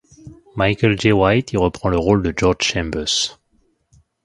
Michael Jai White y reprend le rôle de George Chambers.